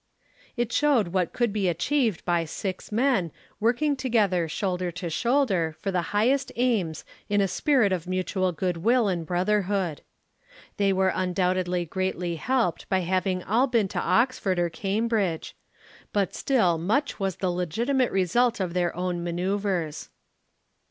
It showed what could be achieved by six men, working together shoulder to shoulder for the highest aims in a spirit of mutual good will and brotherhood. They were undoubtedly greatly helped by having all been to Oxford or Cambridge, but still much was the legitimate result of their own manoeuvres.